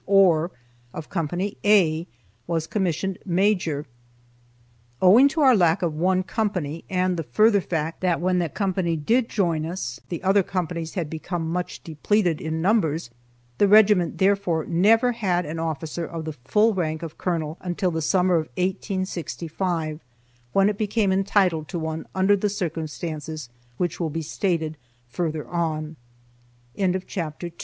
Ohr, of Co. A, was commissioned Major. Owing to our lack of one company, and the further fact that when that company did join us the other companies had become much depleted in numbers, the regiment therefore never had an officer of the full rank of Colonel until the summer of 1865, when it became entitled to one under the circumstances which will be stated further on. CHAPTER III. OFF FOR THE SEAT OF WAR. THE BATTLE OF SHILOH.